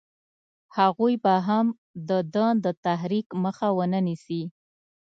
هغوی به هم د ده د تحریک مخه ونه نیسي.